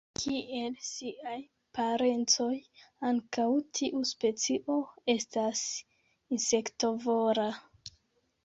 Kiel siaj parencoj, ankaŭ tiu specio estas insektovora.